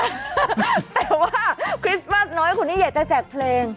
แต่ว่าคริสต์มาสน้อยคนนี้อยากจะแจกเพลง